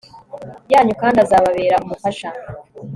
yanyu kandi azababera Umufasha …